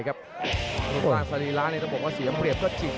ด้านศัลีร้าเนี่ยต้องบอกว่าเสียบระเบียบก็จริง